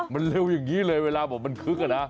มันเร็วอย่างนี้เลยเวลาบอกมันคึกอะนะ